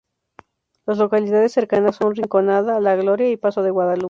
Las localidades cercanas son Rinconada, La Gloria y Paso de Guadalupe.